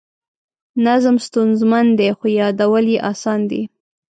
نظم ستونزمن دی خو یادول یې اسان دي.